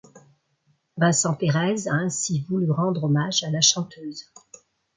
Vincent Pérez a ainsi voulu rendre hommage à la chanteuse.